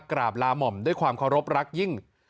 กราบลาหม่อมด้วยความเคารพรักยิ่ง